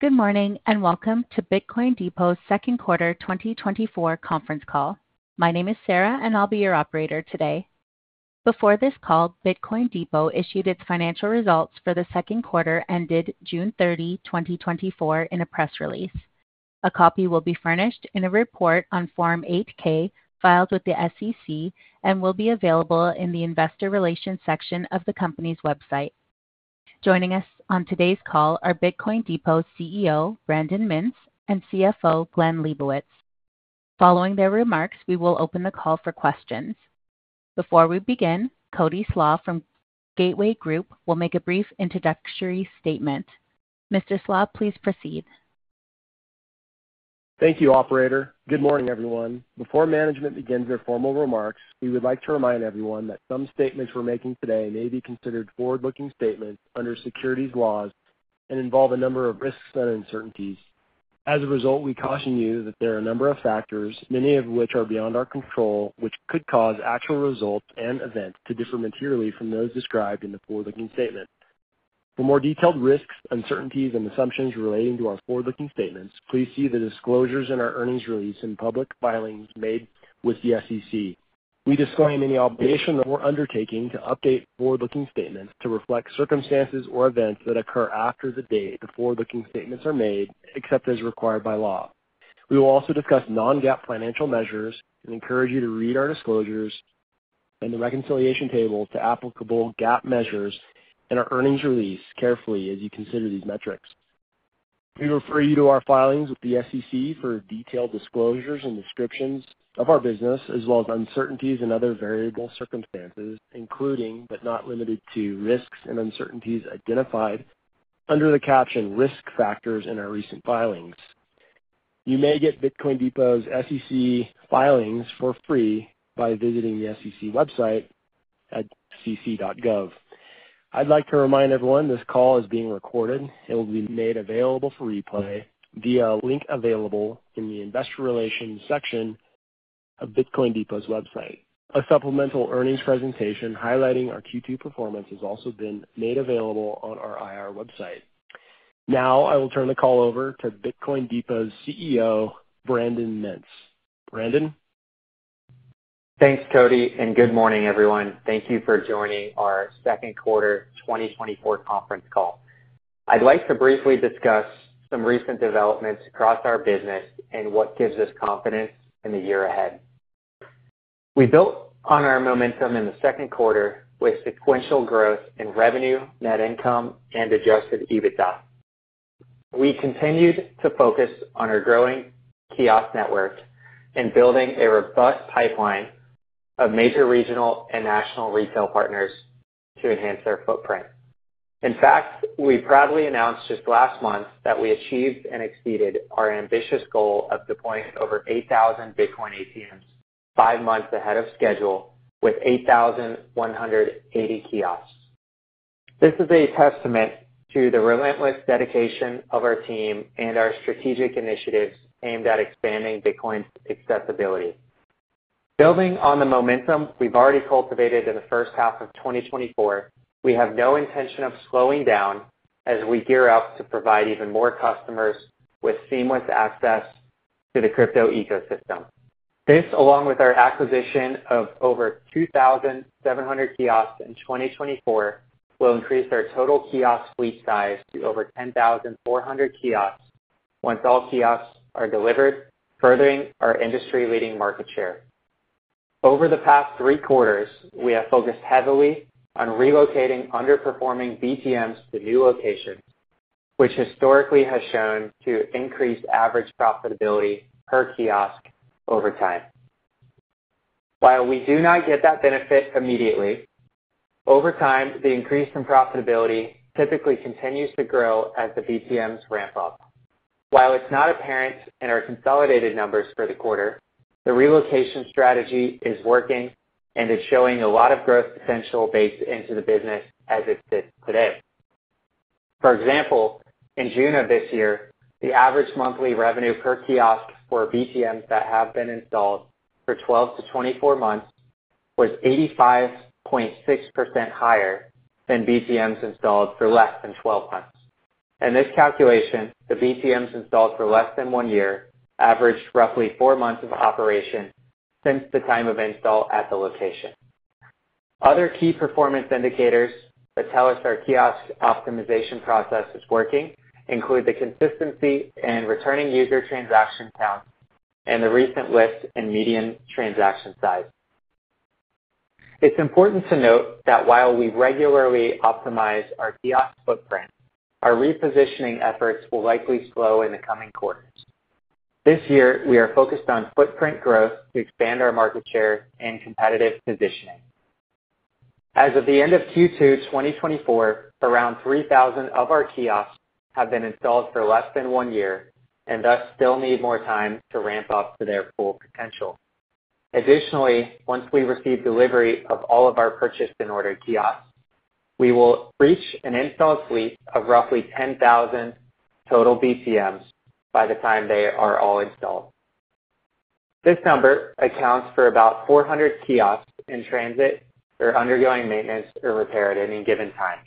Good morning, and welcome to Bitcoin Depot's Second Quarter 2024 Conference Call. My name is Sarah, and I'll be your operator today. Before this call, Bitcoin Depot issued its financial results for the second quarter ended June 30, 2024, in a press release. A copy will be furnished in a report on Form 8-K filed with the SEC, and will be available in the investor relations section of the company's website. Joining us on today's call are Bitcoin Depot's CEO Brandon Mintz and CFO Glenn Leibowitz. Following their remarks, we will open the call for questions. Before we begin, Cody Slach from Gateway Group will make a brief introductory statement. Mr. Slach, please proceed. Thank you, operator. Good morning, everyone. Before management begins their formal remarks, we would like to remind everyone that some statements we're making today may be considered forward-looking statements under securities laws and involve a number of risks and uncertainties. As a result, we caution you that there are a number of factors, many of which are beyond our control, which could cause actual results and events to differ materially from those described in the forward-looking statement. For more detailed risks, uncertainties, and assumptions relating to our forward-looking statements, please see the disclosures in our earnings release and public filings made with the SEC. We disclaim any obligation that we're undertaking to update forward-looking statements to reflect circumstances or events that occur after the date the forward-looking statements are made, except as required by law. We will also discuss non-GAAP financial measures and encourage you to read our disclosures and the reconciliation table to applicable GAAP measures in our earnings release carefully as you consider these metrics. We refer you to our filings with the SEC for detailed disclosures and descriptions of our business, as well as uncertainties and other variable circumstances, including, but not limited to, risks and uncertainties identified under the caption Risk Factors in our recent filings. You may get Bitcoin Depot's SEC filings for free by visiting the SEC website at sec.gov. I'd like to remind everyone, this call is being recorded. It will be made available for replay via a link available in the investor relations section of Bitcoin Depot's website. A supplemental earnings presentation highlighting our Q2 performance has also been made available on our IR website. Now, I will turn the call over to Bitcoin Depot's CEO, Brandon Mintz. Brandon? Thanks, Cody, and good morning, everyone. Thank you for joining our Second Quarter 2024 Conference Call. I'd like to briefly discuss some recent developments across our business and what gives us confidence in the year ahead. We built on our momentum in the second quarter with sequential growth in revenue, net income, and Adjusted EBITDA. We continued to focus on our growing kiosk network and building a robust pipeline of major regional and national retail partners to enhance their footprint. In fact, we proudly announced just last month that we achieved and exceeded our ambitious goal of deploying over 8,000 Bitcoin ATMs five months ahead of schedule, with 8,180 kiosks. This is a testament to the relentless dedication of our team and our strategic initiatives aimed at expanding Bitcoin's accessibility. Building on the momentum we've already cultivated in the first half of 2024, we have no intention of slowing down as we gear up to provide even more customers with seamless access to the crypto ecosystem. This, along with our acquisition of over 2,700 kiosks in 2024, will increase our total kiosk fleet size to over 10,400 kiosks once all kiosks are delivered, furthering our industry-leading market share. Over the past three quarters, we have focused heavily on relocating underperforming BTMs to new locations, which historically has shown to increase average profitability per kiosk over time. While we do not get that benefit immediately, over time, the increase in profitability typically continues to grow as the BTMs ramp up. While it's not apparent in our consolidated numbers for the quarter, the relocation strategy is working and is showing a lot of growth potential baked into the business as it sits today. For example, in June of this year, the average monthly revenue per kiosk for BTMs that have been installed for 12-24 months was 85.6% higher than BTMs installed for less than 12 months. In this calculation, the BTMs installed for less than one year averaged roughly four months of operation since the time of install at the location. Other key performance indicators that tell us our kiosk optimization process is working include the consistency in returning user transaction counts and the recent lift in median transaction size. It's important to note that while we regularly optimize our kiosk footprint, our repositioning efforts will likely slow in the coming quarters. This year, we are focused on footprint growth to expand our market share and competitive positioning. As of the end of Q2 2024, around 3,000 of our kiosks have been installed for less than one year and thus still need more time to ramp up to their full potential. Additionally, once we receive delivery of all of our purchased and ordered kiosks, we will reach an installed fleet of roughly 10,000 total BTMs by the time they are all installed. This number accounts for about 400 kiosks in transit or undergoing maintenance or repair at any given time.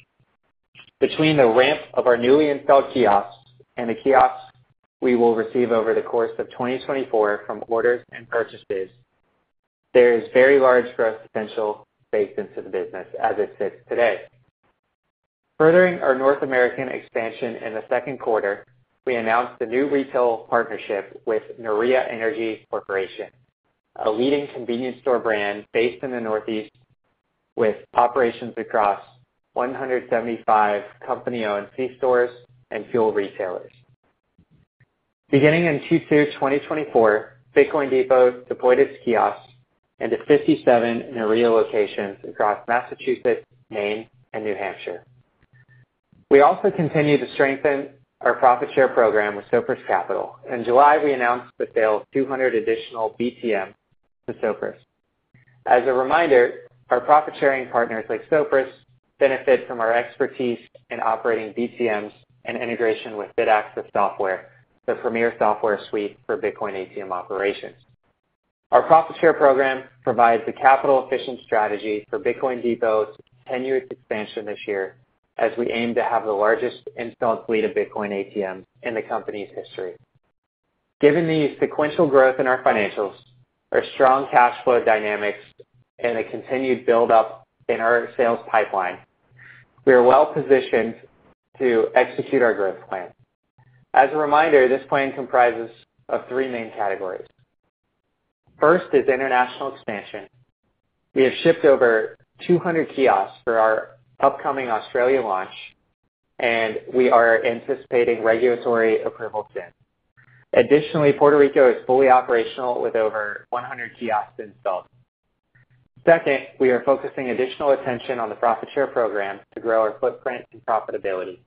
Between the ramp of our newly installed kiosks and the kiosks we will receive over the course of 2024 from orders and purchases, there is very large growth potential baked into the business as it sits today. Furthering our North American expansion in the second quarter, we announced a new retail partnership with Nouria Energy Corporation, a leading convenience store brand based in the Northeast, with operations across 175 company-owned c-stores and fuel retailers. Beginning in Q2 2024, Bitcoin Depot deployed its kiosks into 57 Nouria locations across Massachusetts, Maine, and New Hampshire. We also continue to strengthen our profit share program with Sopris Capital. In July, we announced the sale of 200 additional BTMs to Sopris. As a reminder, our profit-sharing partners, like Sopris, benefit from our expertise in operating BTMs and integration with Bitaccess software, the premier software suite for Bitcoin ATM operations. Our profit share program provides a capital-efficient strategy for Bitcoin Depot's targeted expansion this year, as we aim to have the largest installed fleet of Bitcoin ATMs in the company's history. Given the sequential growth in our financials, our strong cash flow dynamics, and a continued buildup in our sales pipeline, we are well positioned to execute our growth plan. As a reminder, this plan comprises of three main categories. First is international expansion. We have shipped over 200 kiosks for our upcoming Australia launch, and we are anticipating regulatory approvals soon. Additionally, Puerto Rico is fully operational with over 100 kiosks installed. Second, we are focusing additional attention on the profit share program to grow our footprint and profitability.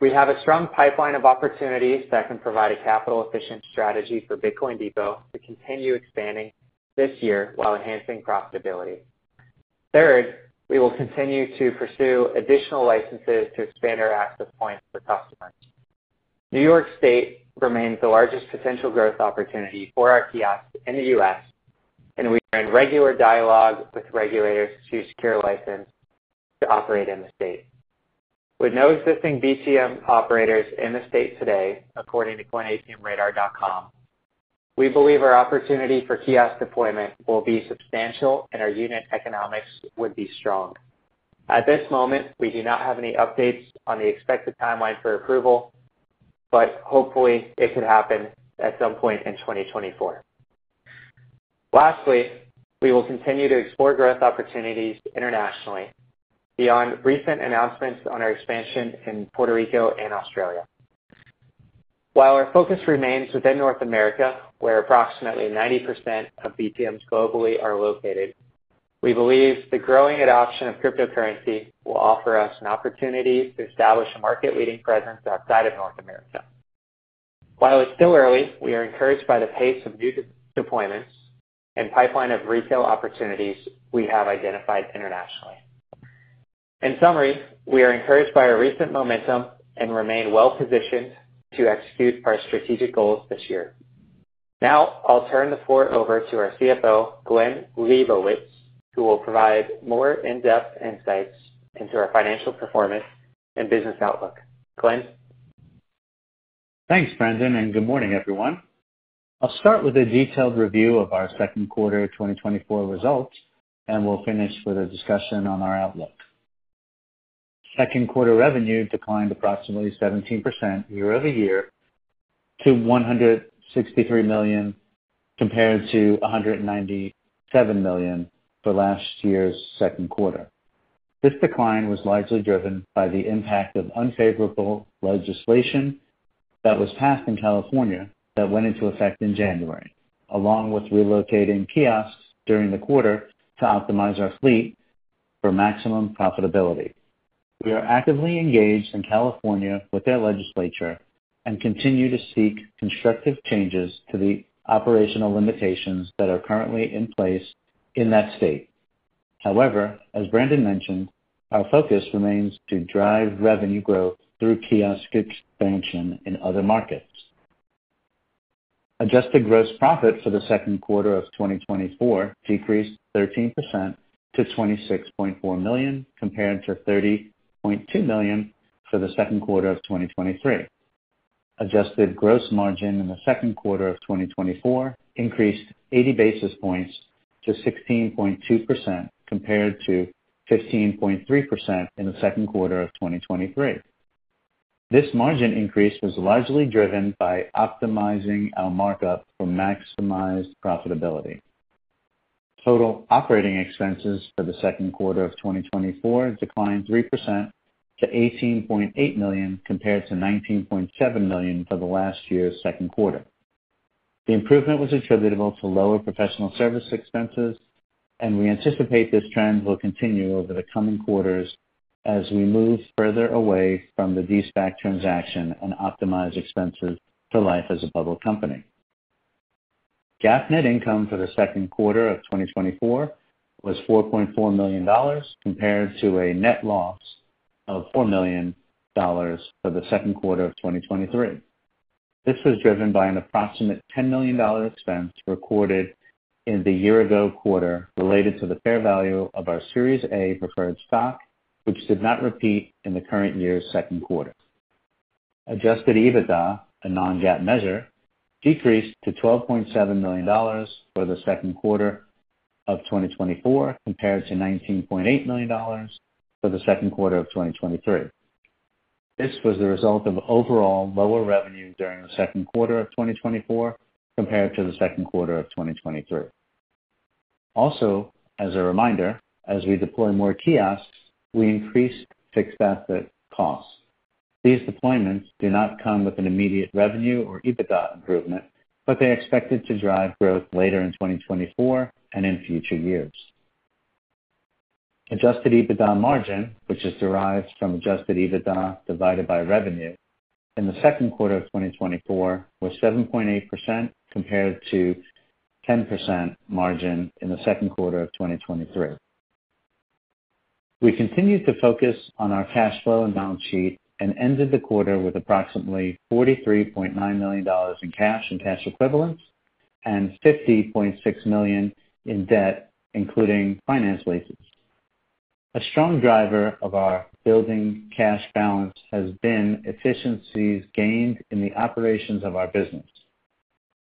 We have a strong pipeline of opportunities that can provide a capital-efficient strategy for Bitcoin Depot to continue expanding this year while enhancing profitability. Third, we will continue to pursue additional licenses to expand our access points for customers. New York State remains the largest potential growth opportunity for our kiosks in the U.S., and we are in regular dialogue with regulators to secure a license to operate in the state. With no existing BTM operators in the state today, according to coinatmradar.com, we believe our opportunity for kiosk deployment will be substantial and our unit economics would be strong. At this moment, we do not have any updates on the expected timeline for approval, but hopefully it could happen at some point in 2024. Lastly, we will continue to explore growth opportunities internationally beyond recent announcements on our expansion in Puerto Rico and Australia. While our focus remains within North America, where approximately 90% of BTMs globally are located, we believe the growing adoption of cryptocurrency will offer us an opportunity to establish a market-leading presence outside of North America. While it's still early, we are encouraged by the pace of new deployments and pipeline of retail opportunities we have identified internationally. In summary, we are encouraged by our recent momentum and remain well positioned to execute our strategic goals this year. Now I'll turn the floor over to our CFO, Glenn Leibowitz, who will provide more in-depth insights into our financial performance and business outlook. Glenn? Thanks, Brandon, and good morning, everyone. I'll start with a detailed review of our second quarter 2024 results, and we'll finish with a discussion on our outlook. Second quarter revenue declined approximately 17% year-over-year to $163 million, compared to $197 million for last year's second quarter. This decline was largely driven by the impact of unfavorable legislation that was passed in California that went into effect in January, along with relocating kiosks during the quarter to optimize our fleet for maximum profitability. We are actively engaged in California with their legislature and continue to seek constructive changes to the operational limitations that are currently in place in that state. However, as Brandon mentioned, our focus remains to drive revenue growth through kiosk expansion in other markets. Adjusted Gross Profit for the second quarter of 2024 decreased 13% to $26.4 million, compared to $30.2 million for the second quarter of 2023. Adjusted Gross Margin in the second quarter of 2024 increased 80 basis points to 16.2%, compared to 15.3% in the second quarter of 2023. This margin increase was largely driven by optimizing our markup for maximized profitability. Total operating expenses for the second quarter of 2024 declined 3% to $18.8 million, compared to $19.7 million for last year's second quarter. The improvement was attributable to lower professional service expenses, and we anticipate this trend will continue over the coming quarters as we move further away from the De-SPAC transaction and optimize expenses for life as a public company. GAAP net income for the second quarter of 2024 was $4.4 million, compared to a net loss of $4 million for the second quarter of 2023. This was driven by an approximate $10 million expense recorded in the year-ago quarter related to the fair value of our Series A preferred stock, which did not repeat in the current year's second quarter. Adjusted EBITDA, a non-GAAP measure, decreased to $12.7 million for the second quarter of 2024, compared to $19.8 million for the second quarter of 2023. This was the result of overall lower revenue during the second quarter of 2024 compared to the second quarter of 2023. Also, as a reminder, as we deploy more kiosks, we increase fixed asset costs. These deployments do not come with an immediate revenue or EBITDA improvement, but they're expected to drive growth later in 2024 and in future years. Adjusted EBITDA margin, which is derived from adjusted EBITDA divided by revenue, in the second quarter of 2024, was 7.8% compared to 10% margin in the second quarter of 2023. We continued to focus on our cash flow and balance sheet and ended the quarter with approximately $43.9 million in cash and cash equivalents and $50.6 million in debt, including finance leases. A strong driver of our building cash balance has been efficiencies gained in the operations of our business,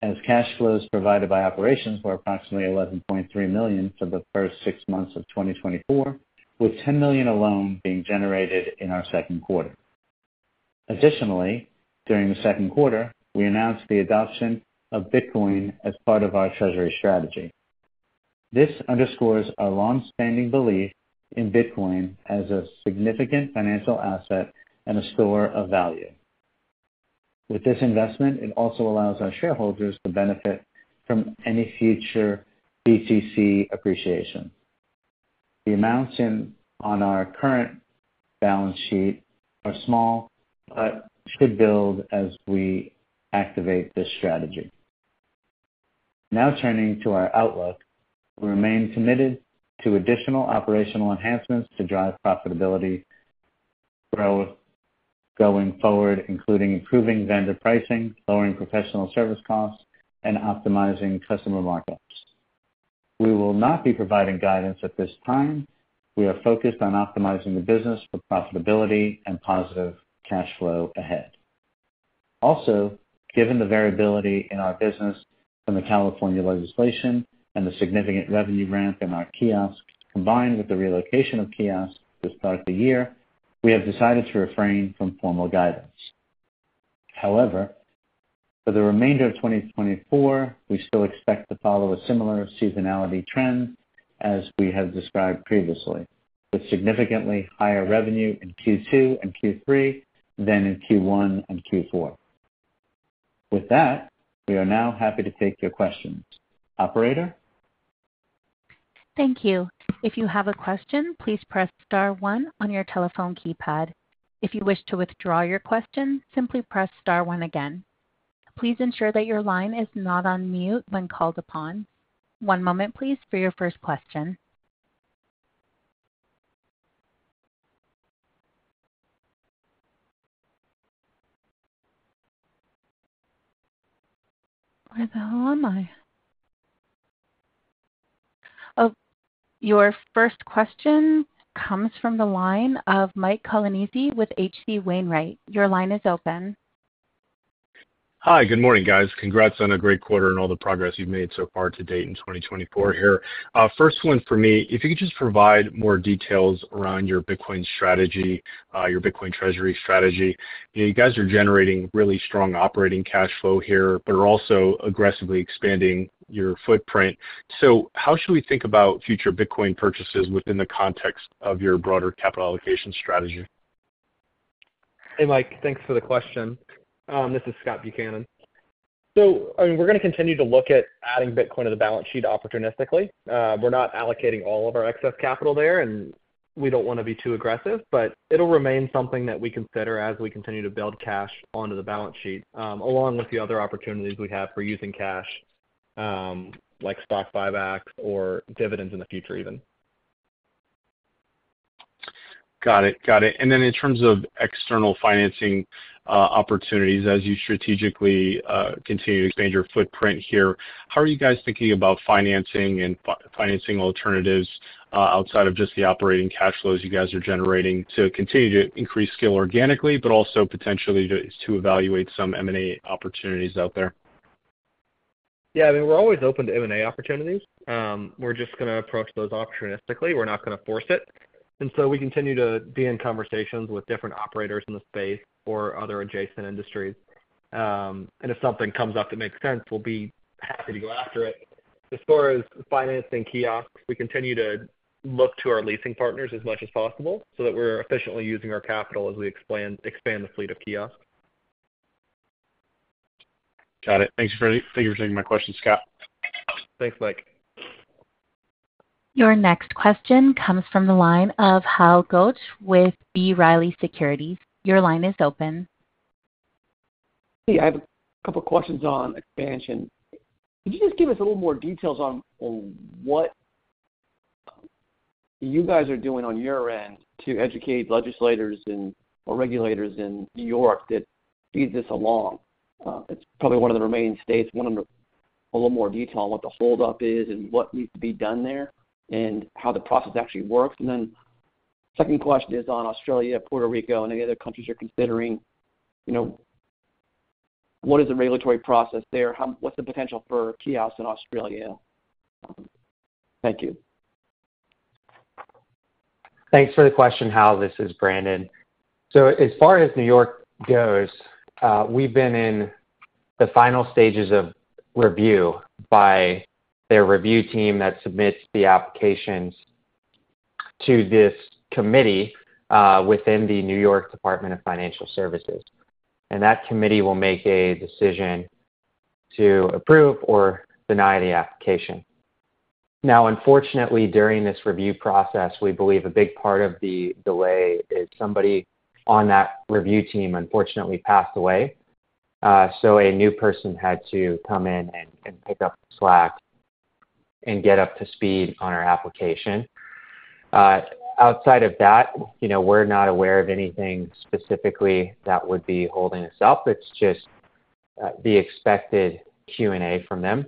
as cash flows provided by operations were approximately $11.3 million for the first six months of 2024, with $10 million alone being generated in our second quarter. Additionally, during the second quarter, we announced the adoption of Bitcoin as part of our treasury strategy. This underscores our long-standing belief in Bitcoin as a significant financial asset and a store of value. With this investment, it also allows our shareholders to benefit from any future BTC appreciation. The amounts on our current balance sheet are small, but should build as we activate this strategy. Now, turning to our outlook. We remain committed to additional operational enhancements to drive profitability growth going forward, including improving vendor pricing, lowering professional service costs, and optimizing customer markups. We will not be providing guidance at this time. We are focused on optimizing the business for profitability and positive cash flow ahead. Also, given the variability in our business from the California legislation and the significant revenue ramp in our kiosks, combined with the relocation of kiosks to start the year, we have decided to refrain from formal guidance. However, for the remainder of 2024, we still expect to follow a similar seasonality trend as we have described previously, with significantly higher revenue in Q2 and Q3 than in Q1 and Q4. With that, we are now happy to take your questions. Operator? Thank you. If you have a question, please press star one on your telephone keypad. If you wish to withdraw your question, simply press star one again. Please ensure that your line is not on mute when called upon. One moment, please, for your first question. Where the hell am I? Oh, your first question comes from the line of Mike Colonnese with H.C. Wainwright. Your line is open. Hi, good morning, guys. Congrats on a great quarter and all the progress you've made so far to date in 2024 here. First one for me, if you could just provide more details around your Bitcoin strategy, your Bitcoin treasury strategy. You guys are generating really strong operating cash flow here, but are also aggressively expanding your footprint. So how should we think about future Bitcoin purchases within the context of your broader capital allocation strategy? Hey, Mike, thanks for the question. This is Scott Buchanan. So, I mean, we're going to continue to look at adding Bitcoin to the balance sheet opportunistically. We're not allocating all of our excess capital there, and we don't want to be too aggressive, but it'll remain something that we consider as we continue to build cash onto the balance sheet, along with the other opportunities we have for using cash, like stock buybacks or dividends in the future, even. Got it. Got it. And then in terms of external financing opportunities, as you strategically continue to expand your footprint here, how are you guys thinking about financing and financing alternatives outside of just the operating cash flows you guys are generating to continue to increase scale organically, but also potentially to evaluate some M&A opportunities out there? Yeah, I mean, we're always open to M&A opportunities. We're just going to approach those opportunistically. We're not going to force it. And so we continue to be in conversations with different operators in the space or other adjacent industries. And if something comes up that makes sense, we'll be happy to go after it. As far as financing kiosks, we continue to look to our leasing partners as much as possible, so that we're efficiently using our capital as we expand the fleet of kiosks. Got it. Thanks for, thank you for taking my question, Scott. Thanks, Mike. Your next question comes from the line of Hal Goetsch with B. Riley Securities. Your line is open. Hey, I have a couple questions on expansion. Could you just give us a little more details on what you guys are doing on your end to educate legislators and or regulators in New York that feed this along? It's probably one of the remaining states. Want a little more detail on what the holdup is and what needs to be done there, and how the process actually works. And then second question is on Australia, Puerto Rico, and any other countries you're considering. You know, what is the regulatory process there? How-- what's the potential for kiosks in Australia? Thank you. Thanks for the question, Hal. This is Brandon. So as far as New York goes, we've been in the final stages of review by their review team that submits the applications to this committee within the New York Department of Financial Services. And that committee will make a decision to approve or deny the application. Now, unfortunately, during this review process, we believe a big part of the delay is somebody on that review team unfortunately passed away. So a new person had to come in and pick up the slack and get up to speed on our application. Outside of that, you know, we're not aware of anything specifically that would be holding us up. It's just the expected Q&A from them.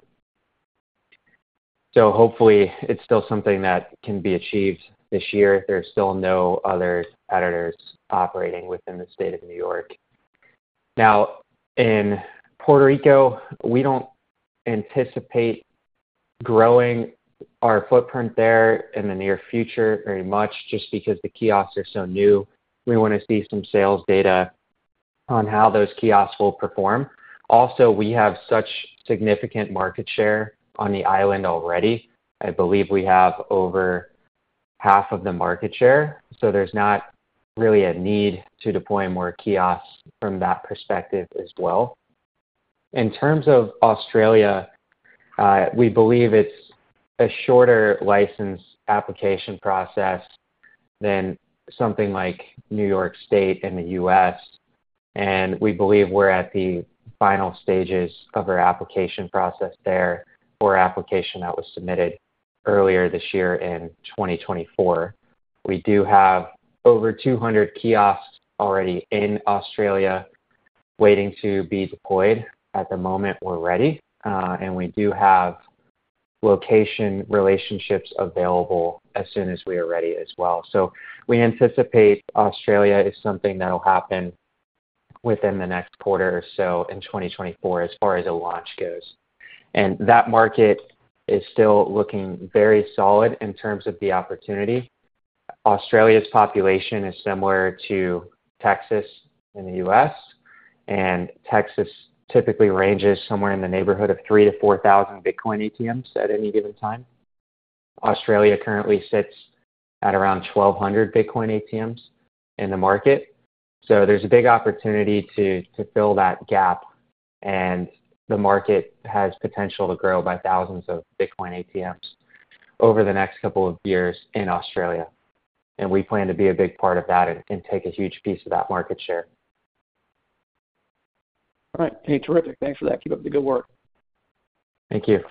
So hopefully it's still something that can be achieved this year. There's still no other competitors operating within the state of New York. Now, in Puerto Rico, we don't anticipate growing our footprint there in the near future very much, just because the kiosks are so new. We wanna see some sales data on how those kiosks will perform. Also, we have such significant market share on the island already. I believe we have over half of the market share, so there's not really a need to deploy more kiosks from that perspective as well. In terms of Australia, we believe it's a shorter license application process than something like New York State and the U.S., and we believe we're at the final stages of our application process there for application that was submitted earlier this year in 2024. We do have over 200 kiosks already in Australia waiting to be deployed. At the moment, we're ready, and we do have location relationships available as soon as we are ready as well. So we anticipate Australia is something that'll happen within the next quarter or so in 2024 as far as a launch goes. And that market is still looking very solid in terms of the opportunity. Australia's population is similar to Texas in the U.S., and Texas typically ranges somewhere in the neighborhood of 3,000-4,000 Bitcoin ATMs at any given time. Australia currently sits at around 1,200 Bitcoin ATMs in the market, so there's a big opportunity to fill that gap, and the market has potential to grow by thousands of Bitcoin ATMs over the next couple of years in Australia. And we plan to be a big part of that and take a huge piece of that market share. All right. Hey, terrific. Thanks for that. Keep up the good work. Thank you.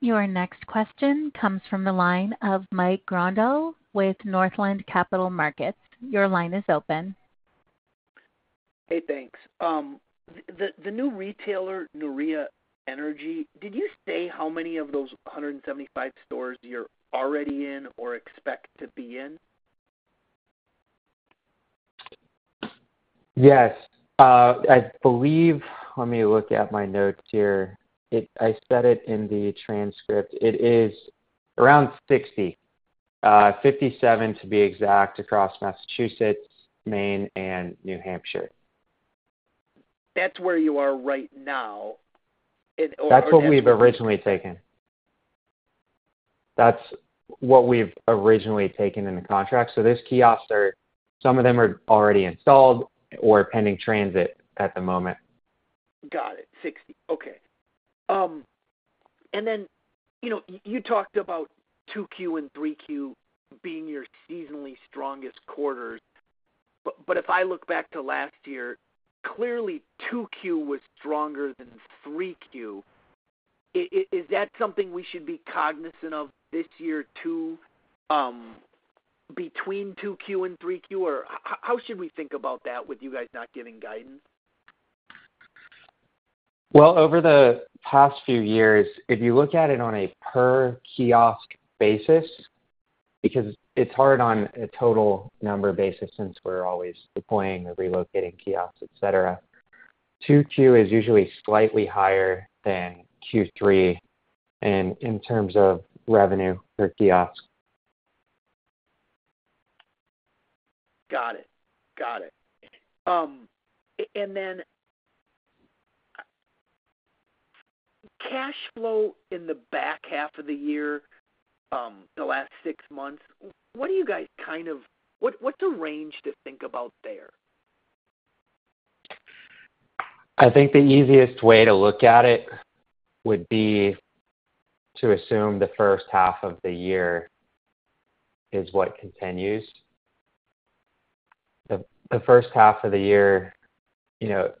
Your next question comes from the line of Mike Grondahl with Northland Capital Markets. Your line is open. Hey, thanks. The new retailer, Nouria Energy, did you say how many of those 175 stores you're already in or expect to be in? Yes. I believe. Let me look at my notes here. I said it in the transcript. It is around 60, 57 to be exact, across Massachusetts, Maine, and New Hampshire. That's where you are right now. That's what we've originally taken. That's what we've originally taken in the contract. So those kiosks are, some of them are already installed or pending transit at the moment. Got it. 60. Okay. And then, you know, you talked about 2Q and 3Q being your seasonally strongest quarters. But if I look back to last year, clearly 2Q was stronger than 3Q. Is that something we should be cognizant of this year, too, between 2Q and 3Q? Or how should we think about that with you guys not giving guidance? Well, over the past few years, if you look at it on a per kiosk basis, because it's hard on a total number basis, since we're always deploying or relocating kiosks, et cetera, 2Q is usually slightly higher than Q3 and in terms of revenue per kiosk. Got it. Got it. And then, cash flow in the back half of the year, the last six months, what do you guys kind of, what's the range to think about there? I think the easiest way to look at it would be to assume the first half of the year is what continues. The first half of the year, you know,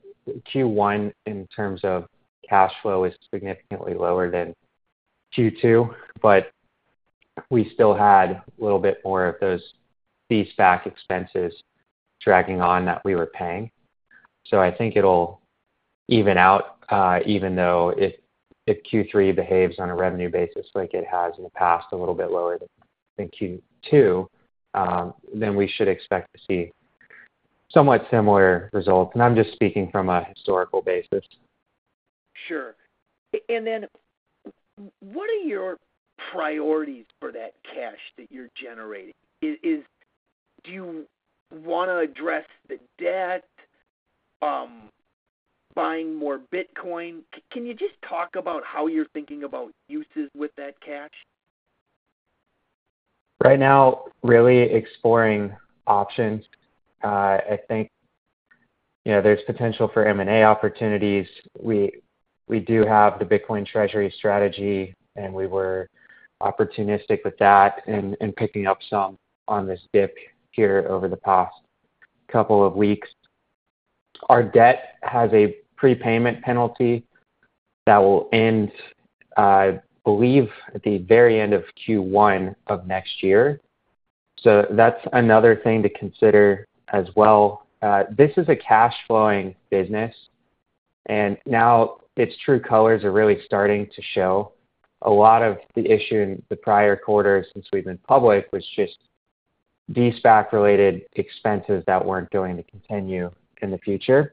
Q1, in terms of cash flow, is significantly lower than Q2, but we still had a little bit more of those De-SPAC expenses dragging on that we were paying. So I think it'll even out, even though if Q3 behaves on a revenue basis like it has in the past, a little bit lower than Q2, then we should expect to see somewhat similar results. And I'm just speaking from a historical basis. Sure. And then what are your priorities for that cash that you're generating? Is, do you wanna address the debt, buying more Bitcoin? Can you just talk about how you're thinking about uses with that cash? Right now, really exploring options. I think, you know, there's potential for M&A opportunities. We do have the Bitcoin treasury strategy, and we were opportunistic with that in picking up some on this dip here over the past couple of weeks. Our debt has a prepayment penalty that will end, I believe, at the very end of Q1 of next year, so that's another thing to consider as well. This is a cash flowing business, and now its true colors are really starting to show. A lot of the issue in the prior quarters since we've been public was just De-SPAC-related expenses that weren't going to continue in the future.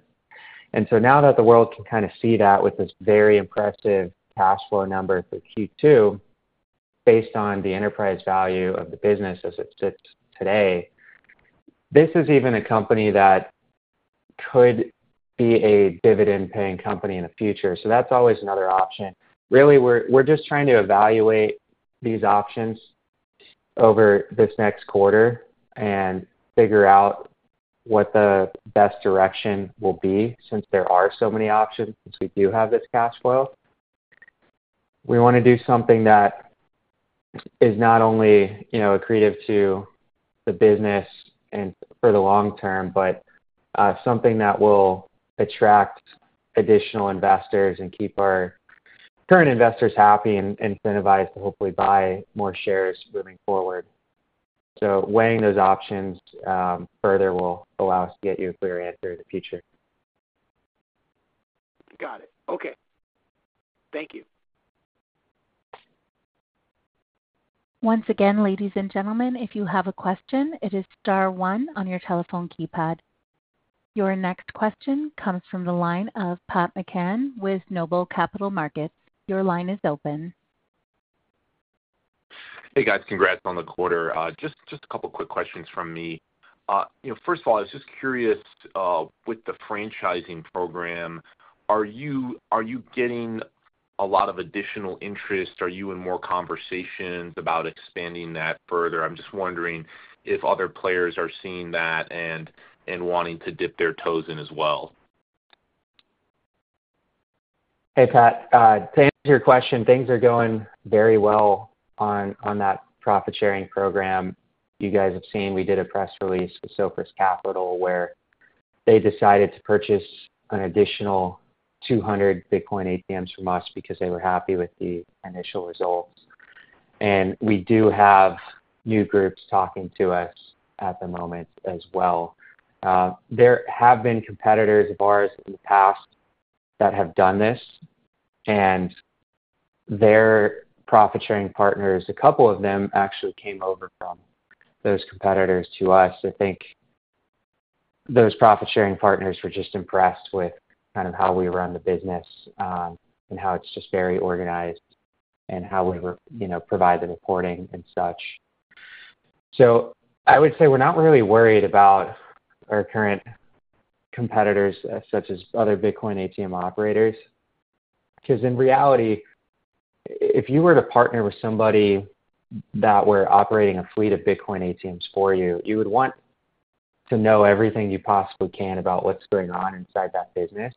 And so now that the world can kind of see that with this very impressive cash flow number for Q2, based on the enterprise value of the business as it sits today, this is even a company that could be a dividend-paying company in the future. So that's always another option. Really, we're, we're just trying to evaluate these options over this next quarter and figure out what the best direction will be, since there are so many options, since we do have this cash flow. We wanna do something that is not only, you know, accretive to the business and for the long term, but something that will attract additional investors and keep our current investors happy and incentivized to hopefully buy more shares moving forward. So weighing those options, further, will allow us to get you a clear answer in the future. Got it. Okay. Thank you. Once again, ladies and gentlemen, if you have a question, it is star one on your telephone keypad. Your next question comes from the line of Pat McCann with Noble Capital Markets. Your line is open. Hey, guys. Congrats on the quarter. Just a couple quick questions from me. You know, first of all, I was just curious with the franchising program, are you getting a lot of additional interest? Are you in more conversations about expanding that further? I'm just wondering if other players are seeing that and wanting to dip their toes in as well. Hey, Pat. To answer your question, things are going very well on that profit-sharing program. You guys have seen, we did a press release with Sopris Capital, where they decided to purchase an additional 200 Bitcoin ATMs from us because they were happy with the initial results. And we do have new groups talking to us at the moment as well. There have been competitors of ours in the past that have done this, and their profit-sharing partners, a couple of them actually came over from those competitors to us. I think those profit-sharing partners were just impressed with kind of how we run the business, and how it's just very organized and how we, you know, provide the reporting and such. So I would say we're not really worried about our current competitors, such as other Bitcoin ATM operators, 'cause in reality, if you were to partner with somebody that were operating a fleet of Bitcoin ATMs for you, you would want to know everything you possibly can about what's going on inside that business.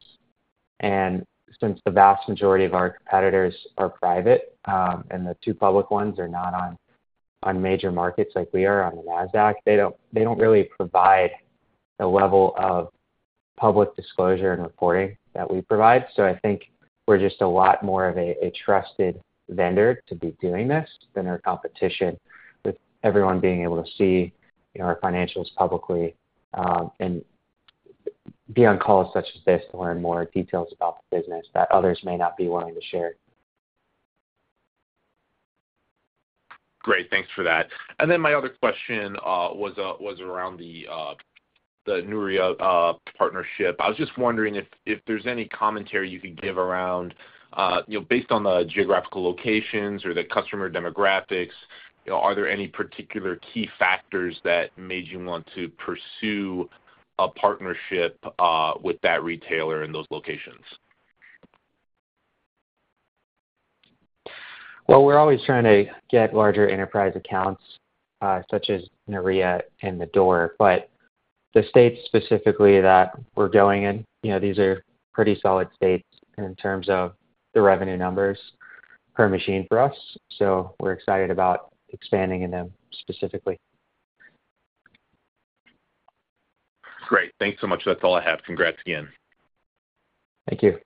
And since the vast majority of our competitors are private, and the two public ones are not on major markets like we are, on the Nasdaq, they don't, they don't really provide the level of public disclosure and reporting that we provide. I think we're just a lot more of a trusted vendor to be doing this than our competition, with everyone being able to see, you know, our financials publicly, and be on calls such as this to learn more details about the business that others may not be willing to share. Great, thanks for that. Then my other question was around the Nouria partnership. I was just wondering if there's any commentary you could give around, you know, based on the geographical locations or the customer demographics, you know, are there any particular key factors that made you want to pursue a partnership with that retailer in those locations? Well, we're always trying to get larger enterprise accounts, such as Nouria and the Thorntons. But the states specifically that we're going in, you know, these are pretty solid states in terms of the revenue numbers per machine for us, so we're excited about expanding in them specifically. Great. Thanks so much. That's all I have. Congrats again. Thank you.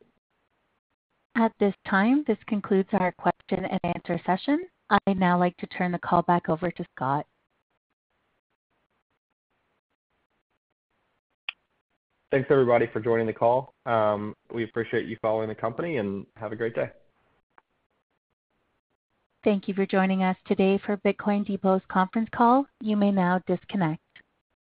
At this time, this concludes our question and answer session. I'd now like to turn the call back over to Cody. Thanks, everybody, for joining the call. We appreciate you following the company, and have a great day. Thank you for joining us today for Bitcoin Depot's conference call. You may now disconnect.